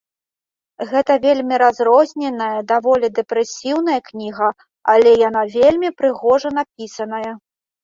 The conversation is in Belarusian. Гэта вельмі разрозненая, даволі дэпрэсіўная кніга, але яна вельмі прыгожа напісаная.